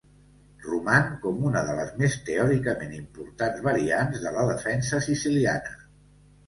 Roman com una de les més teòricament importants variants de la defensa siciliana.